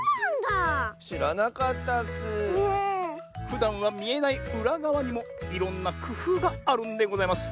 ふだんはみえないうらがわにもいろんなくふうがあるんでございます。